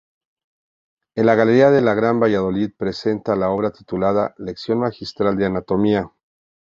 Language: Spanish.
En la Galería Gran de Valladolid presenta la obra titulada "Lección Magistral de Anatomía".